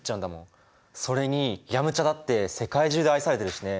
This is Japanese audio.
それに飲茶だって世界中で愛されてるしね。